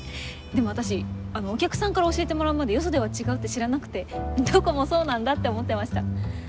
でも私お客さんから教えてもらうまでよそでは違うって知らなくてどこもそうなんだって思ってました。